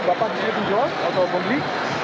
bapak ini penjual atau pembeli